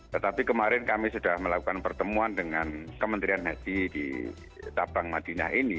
tetapi kemarin kami sudah melakukan pertemuan dengan kementerian haji di tabang madinah ini